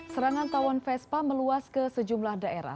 serangan tawon vespa meluas ke sejumlah daerah